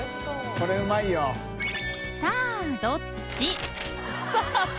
これうまいよ。磴気どっち？